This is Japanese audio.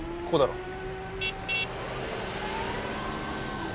ここだろ。